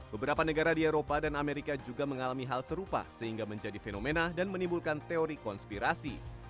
beberapa negara di eropa dan amerika juga mengalami hal serupa sehingga menjadi fenomena dan menimbulkan teori konspirasi